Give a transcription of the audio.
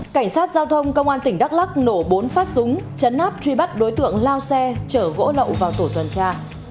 cảnh sát giao thông công an tỉnh đắk lắc nổ bốn phát súng chấn áp truy bắt đối tượng lao xe chở gỗ lậu vào tổ tuần tra